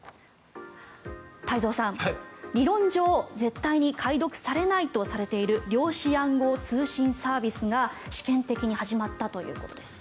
太蔵さん、理論上絶対に解読されないとされている量子暗号通信サービスが試験的に始まったということです。